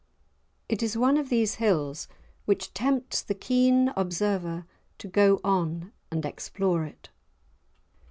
It is one of these hills which tempts the keen observer to go on and explore it.